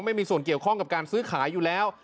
ไม่มีส่วนเกี่ยวข้องกับการซื้อขายอยู่แล้ว